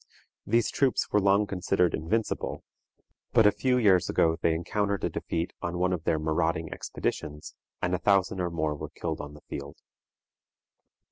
These troops were long considered invincible, but a few years ago they encountered a defeat on one of their marauding expeditions, and a thousand or more were killed on the field.